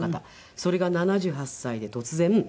それが７８歳で突然。